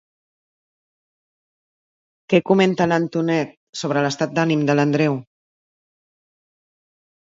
Què comenta l'Antonet sobre l'estat d'ànim de l'Andreu?